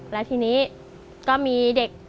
แล้วทีนี้ก็มีเด็ก